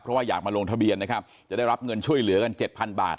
เพราะว่าอยากมาลงทะเบียนนะครับจะได้รับเงินช่วยเหลือกันเจ็ดพันบาท